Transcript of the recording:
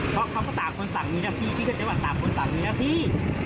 เพราะเขาก็ตามคนต่างมีนาที่พี่เจ้าหวัดตามคนต่างมีนาที่